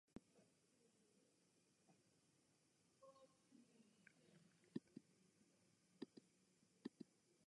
Any measure defined on the Borel sets is called a Borel measure.